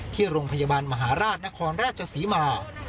ที่โรงพยาบาลมหาราชนครราชศรีมา